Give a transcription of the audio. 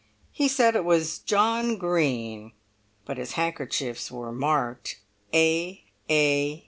He said it was John Green—but his handkerchiefs were marked "A. A.